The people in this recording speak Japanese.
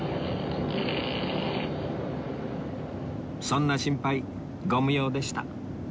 そんな心配ご無用でした